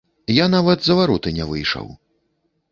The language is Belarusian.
Я нават за вароты не выйшаў.